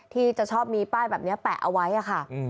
ที่จะชอบมีป้ายแบบนี้แปะเอาไว้ค่ะ